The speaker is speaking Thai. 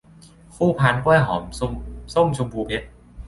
คู่พานกล้วยหอมส้มชมพูเพชร